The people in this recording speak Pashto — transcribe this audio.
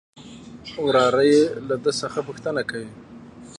وراره يې له ده څخه پوښتنه کوي.